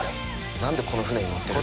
何でこの船に乗ってる？